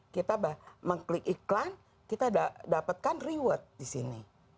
kita mengklik iklan kita dapatkan reward di sini